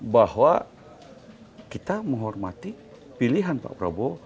bahwa kita menghormati pilihan pak prabowo